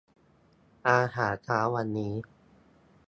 อาหารเช้าวันนี้